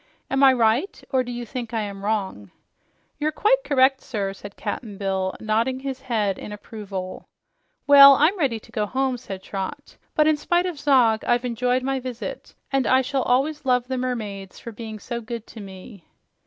Am I right, or do you think I am wrong?" "You're quite correct, sir," said Cap'n Bill, nodding his head in approval. "Well, I'm ready to go home," said Trot. "But in spite of Zog, I've enjoyed my visit, and I shall always love the mermaids for being so good to me."